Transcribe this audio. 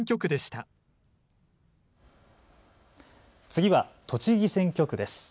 次は栃木選挙区です。